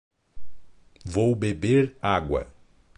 Vou beber água.